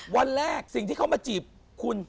วันแรกสิ่งที่เขามาจีบคุณ